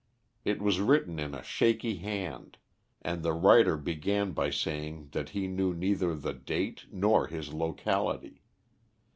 It was written in a shaky hand, and the writer began by saying that he knew neither the date nor his locality.